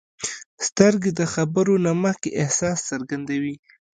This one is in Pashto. سترګې د خبرو نه مخکې احساس څرګندوي